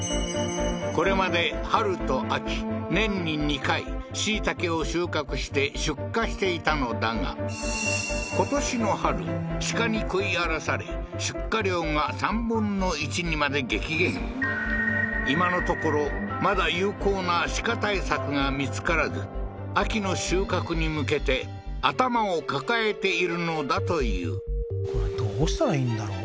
これまで春と秋年に２回椎茸を収穫して出荷していたのだが今年の春鹿に食い荒らされ出荷量が１／３にまで激減今のところまだ有効な鹿対策が見つからず秋の収穫に向けて頭を抱えているのだというこれどうしたらいいんだろう？